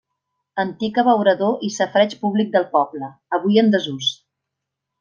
Antic abeurador i safareig públic del poble, avui en desús.